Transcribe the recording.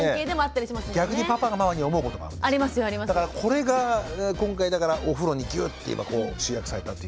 これが今回だからお風呂にギュッて今集約されたという。